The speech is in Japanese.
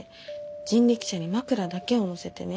人力車に枕だけを載せてね